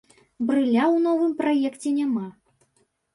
Брыля ў новым праекце няма.